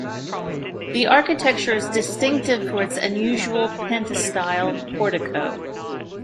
The architecture is distinctive for "its unusual pentastyle portico".